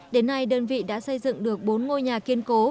đến nay đơn vị đã xây dựng được bốn ngôi nhà kiên cố